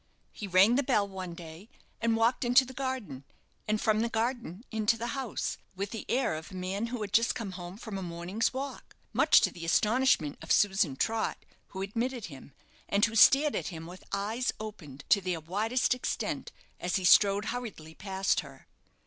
He rang the bell one day, and walked into the garden, and from the garden into the house, with the air of a man who had just come home from a morning's walk, much to the astonishment of Susan Trott, who admitted him, and who stared at him with eyes opened to their widest extent, as he strode hurriedly past her.